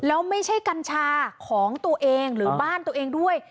แล้วไม่ใช่กัญชาของตัวเองหรือบ้านตัวเองด้วย